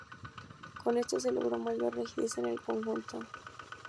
Con esto se logra mayor rigidez en el conjunto.